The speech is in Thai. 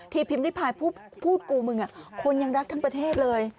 พิมพ์ริพายพูดกูมึงคนยังรักทั้งประเทศเลย